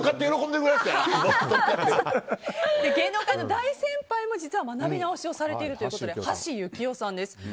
芸能界の大先輩も実は学び直しをされているということで橋幸夫さんです。